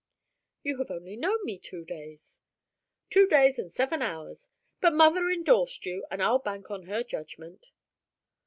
"You have only known me two days." "Two days and seven hours. But mother endorsed you and I'll bank on her judgment."